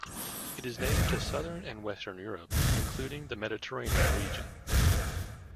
It is native to southern and western Europe including the Mediterranean region.